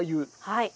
はい。